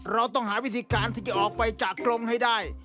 เราต้องหาวิธีการที่จะออกไปจากกรมให้ได้